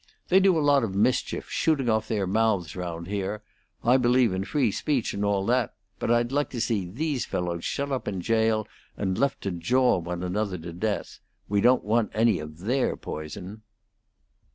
"They do a lot of mischief, shooting off their mouths round here. I believe in free speech and all that; but I'd like to see these fellows shut up in jail and left to jaw one another to death. We don't want any of their poison."